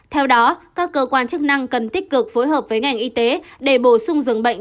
theo đó các cơ quan chức năng cần tích cực phối hợp với ngành y tế để bổ sung dường bệnh